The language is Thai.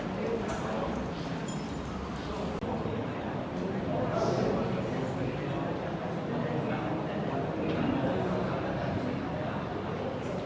สวัสดีครับสวัสดีครับ